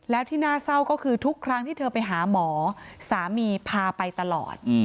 แล้วที่น่าเศร้าก็คือทุกครั้งที่เธอไปหาหมอสามีพาไปตลอด